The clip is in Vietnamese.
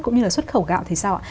cũng như là xuất khẩu gạo thì sao ạ